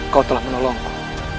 kau telah menolongku